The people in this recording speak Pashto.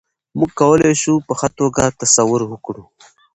موږ کولای شو په ښه توګه تصور وکړو.